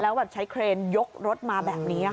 แล้วแบบใช้เครนยกรถมาแบบนี้ค่ะ